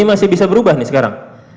ini masih bisa berubah nih sekarang